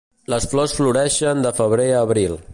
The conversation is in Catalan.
Les flors floreixen de febrer a abril.